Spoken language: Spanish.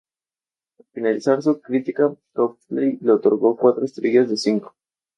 Juancho Polo y Alicia María tuvieron un hijo, Sebastián Polo Hernández.